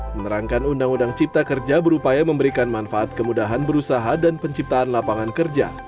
menerangkan undang undang cipta kerja berupaya memberikan manfaat kemudahan berusaha dan penciptaan lapangan kerja